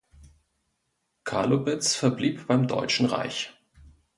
Karlubitz verblieb beim Deutschen Reich.